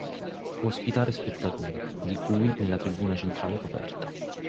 Può ospitare spettatori, di cui nella tribuna centrale coperta.